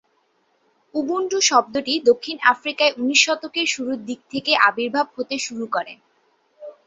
Ubuntu শব্দটি দক্ষিণ আফ্রিকায় উনিশ শতকের শুরুর দিক থেকেই আবির্ভাব হতে শুরু করে।